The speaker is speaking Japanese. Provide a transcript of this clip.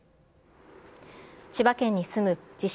千葉県に住む自称